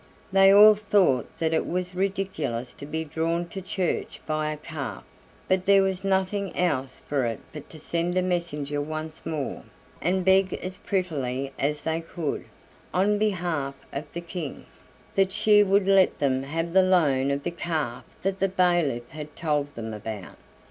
They all thought that it was ridiculous to be drawn to church by a calf, but there was nothing else for it but to send a messenger once more, and beg as prettily as they could, on behalf of the King, that she would let them have the loan of the calf that the bailiff had told them about.